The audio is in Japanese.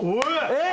えっ！？